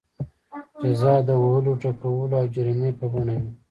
جزا د وهلو ټکولو او جریمې په بڼه وي.